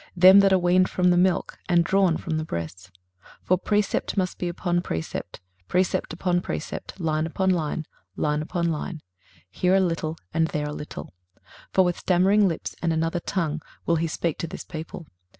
them that are weaned from the milk, and drawn from the breasts. 23:028:010 For precept must be upon precept, precept upon precept; line upon line, line upon line; here a little, and there a little: 23:028:011 For with stammering lips and another tongue will he speak to this people.